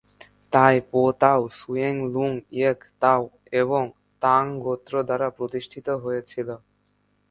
তাই পো তাউ সুয়েন লুং ইয়েক তাও এর তাং গোত্র দ্বারা প্রতিষ্ঠিত হয়েছিল।